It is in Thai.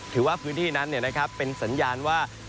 ถือว่าพื้นที่นั้นเป็นสัญญาณว่า